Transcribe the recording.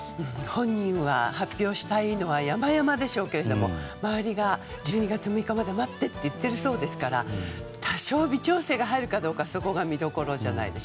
本人は発表したいのはやまやまでしょうけれども周りが１２月６日まで待ってと言っているそうなので多少微調整が入るかどうかそこが見どころじゃないかと。